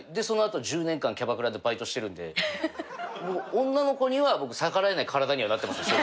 その後１０年間キャバクラでバイトしてるんで女の子には逆らえない体にはなってます